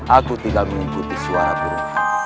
aku tidak mengikuti suara guru